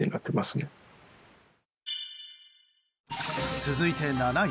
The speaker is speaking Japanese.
続いて７位。